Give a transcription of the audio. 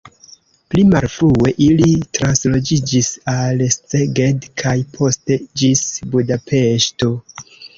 Pli malfrue ili transloĝiĝis al Szeged kaj poste ĝis Budapeŝto.